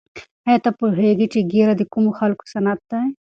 آیا ته پوهېږې چې ږیره د کومو خلکو سنت دی؟